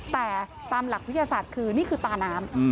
แต่ตามหลักวิทยาศาสตร์คือนี่คือตาน้ำ